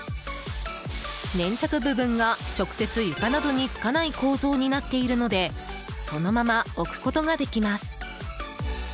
粘着部分が直接床などに付かない構造になっているのでそのまま置くことができます。